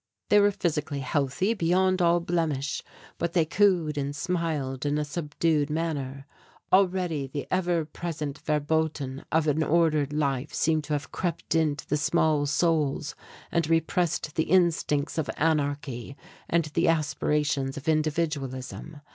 They were physically healthy beyond all blemish, but they cooed and smiled in a subdued manner. Already the ever present "verboten" of an ordered life seemed to have crept into the small souls and repressed the instincts of anarchy and the aspirations of individualism.